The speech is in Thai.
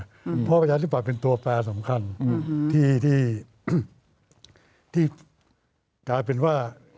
เพราะประชาธิบัตย์เป็นตัวแปรสำคัญที่กลายเป็นว่า